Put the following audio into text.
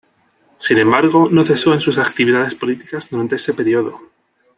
Sin embargo, no cesó en sus actividades políticas durante ese periodo.